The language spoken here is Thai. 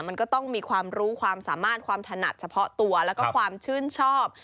มันก็ต้องมีความรู้ความสามารถความถนัดเฉพาะตัวแล้วก็ความชื่นชอบ